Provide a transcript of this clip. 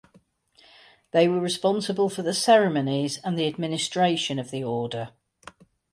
They were responsible for the ceremonies and the administration of the order.